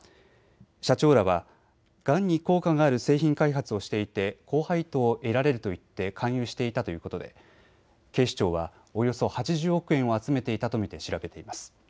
社長らはがんに効果がある製品開発をしていて高配当を得られると言って勧誘していたということで警視庁はおよそ８０億円を集めていたと見て調べています。